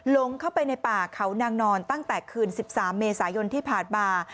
ลงเข้าไปในป่าเขานางนอนตั้งแต่คืน๑๓เมษายนที่ผ่านมา